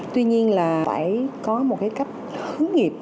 tuy nhiên là phải có một cái cách hướng nghiệp